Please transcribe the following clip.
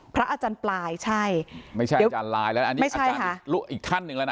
พระอาจารย์ปลายใช่ไม่ใช่อาจารย์ลายอาจารย์อีกท่านหนึ่ง